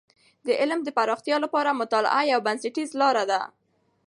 د علم د پراختیا لپاره مطالعه یوه بنسټیزه لاره ده.